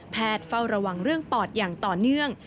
เฝ้าระวังเรื่องปอดอย่างต่อเนื่อง